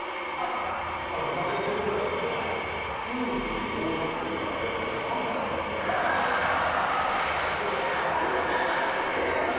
田辺さん駆けつけてくれたんですけど、スーツにオールバックにグラサンでなぜかハンターの格好をしてた。